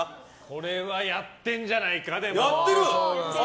これはやってんじゃないか？